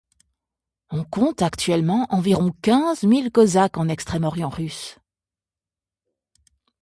On compte actuellement environ quinze mille cosaques en extrême-orient russe.